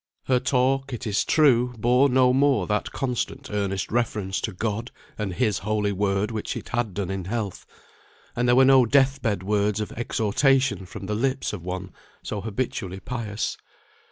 Her talk, it is true, bore no more that constant earnest reference to God and His holy Word which it had done in health, and there were no death bed words of exhortation from the lips of one so habitually pious.